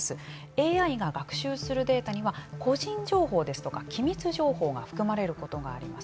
ＡＩが学習するデータには個人情報ですとか機密情報が含まれることがあります。